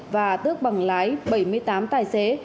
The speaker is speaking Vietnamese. và tước bằng lái bảy mươi tám tài xế